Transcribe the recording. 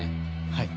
はい。